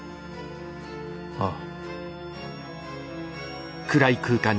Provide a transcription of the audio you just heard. ああ。